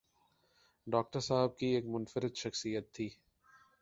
Doctor صاحب کی ایک منفرد شخصیت تھی۔